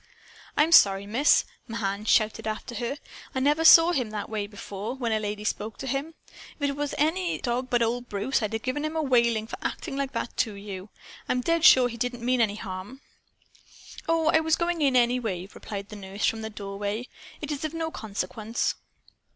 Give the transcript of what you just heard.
"I'm sorry, Miss!" Mahan shouted after her. "I never saw him that way, before, when a lady spoke to him. If it was any dog but old Bruce, I'd give him a whaling for acting like that to you. I'm dead sure he didn't mean any harm." "Oh, I was going in, anyway," replied the nurse, from the doorway. "It is of no consequence."